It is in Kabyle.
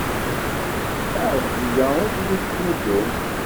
Ɛelǧiya ur telli tettnuddum.